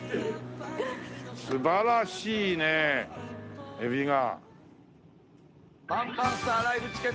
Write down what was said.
素晴らしいねエビが。